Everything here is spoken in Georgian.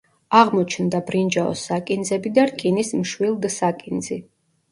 აღმოჩნდა ბრინჯაოს საკინძები და რკინის მშვილდსაკინძი.